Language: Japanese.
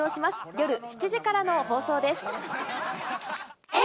夜７時からの放送です。